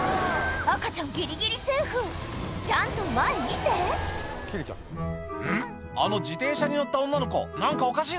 赤ちゃんギリギリセーフちゃんと前見て「うん？あの自転車に乗った女の子何かおかしいぞ」